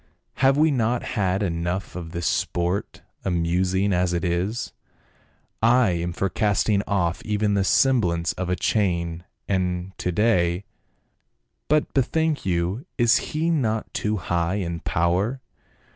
" Have we not had enough of this sport, amusing as it is ? I am for cast ing off even the semblance of a chain — and to day." "But bethink you, is he not too high in power?